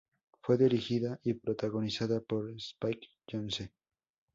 Fue dirigida y protagonizada por Spike Jonze.